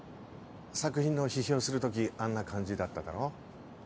作品の批評する時あんな感じだっただろ？